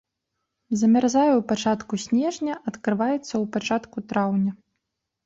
Замярзае ў пачатку снежня, адкрываецца ў пачатку траўня.